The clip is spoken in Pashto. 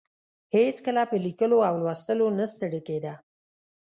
هېڅکله په لیکلو او لوستلو نه ستړې کیده.